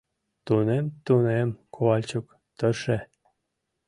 — Тунем, тунем, Ковальчук, тырше.